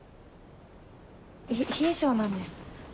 冷え性なんです。